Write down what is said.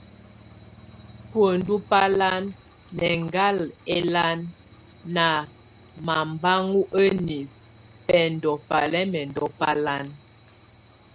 Buêndu bálan, nʼ eŋgál elan, na mabaŋo enis, bɛndo balɛ́mɛndo balan.